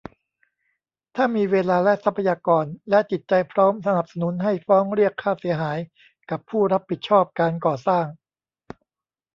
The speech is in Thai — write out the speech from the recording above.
ถ้ามีเวลาและทรัพยากร และจิตใจพร้อม สนับสนุนให้ฟ้องเรียกค่าเสียหายกับผู้รับผิดชอบการก่อสร้าง